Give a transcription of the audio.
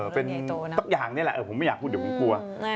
เป็นสักอย่างนี้แหละผมไม่อยากพูดเดี๋ยวผมกลัว